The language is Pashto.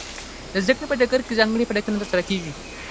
د زده کړې په ډګر کې ځانګړي فعالیتونه ترسره کیږي.